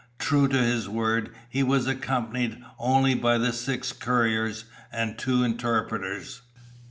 True to his word, he was accompanied only by the six couriers and two interpreters.